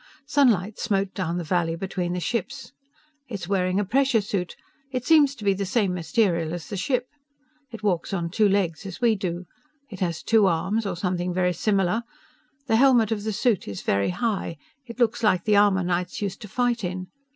Sunlight smote down into the valley between the ships. "It's wearing a pressure suit. It seems to be the same material as the ship. It walks on two legs, as we do ... It has two arms, or something very similar ... The helmet of the suit is very high ... It looks like the armor knights used to fight in